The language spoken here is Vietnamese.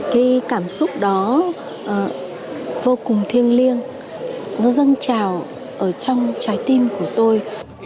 cái cảm xúc đó vô cùng thiêng liêng nó dâng trào ở trong trái tim của tôi